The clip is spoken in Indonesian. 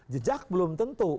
jejak belum tentu